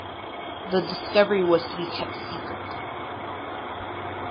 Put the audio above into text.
The discovery was to be kept secret.